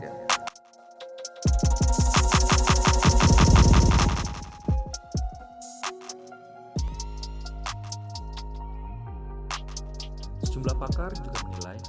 jumlah pakar juga menilai